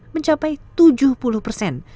mencapai tujuh puluh persen